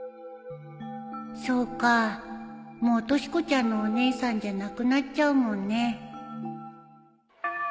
そうかもうとし子ちゃんのお姉さんじゃなくなっちゃうもんね